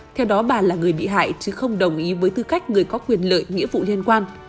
theo đó bà là người bị hại chứ không đồng ý với tư cách người có quyền lợi nghĩa vụ liên quan